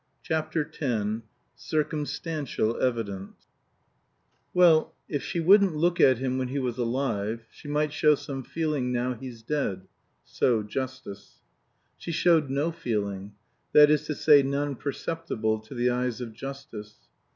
CHAPTER X CIRCUMSTANTIAL EVIDENCE Well, if she wouldn't look at him when he was alive, she might show some feeling now he's dead. (So Justice.) She showed no feeling. That is to say, none perceptible to the eyes of Justice.